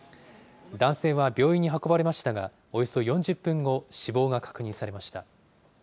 男性は病院に運ばれましたが、およそ４０分後、死亡が確認されました。